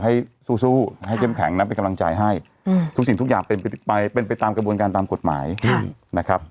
ให้สู้ให้เข้มแข็งนะเป็นกำลังใจให้ทุกสิ่งทุกอย่างเป็นไปเป็นไปตามกระบวนการตามกฎหมายนะครับ